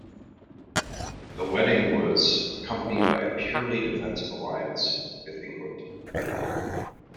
The wedding was accompanied by a purely defensive alliance with England.